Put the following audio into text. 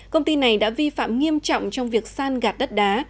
công ty này đã vi phạm nghiêm trọng trong việc san gạt đất đá